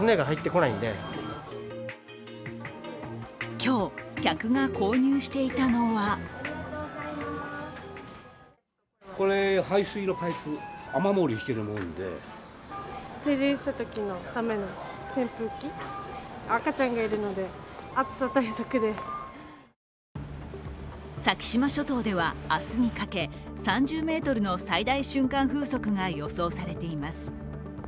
今日、客が購入していたのは先島諸島では明日にかけ３０メートルの最大瞬間風速が予想されています。